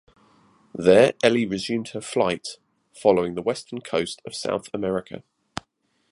There Elly resumed her flight, following the western coast of South America.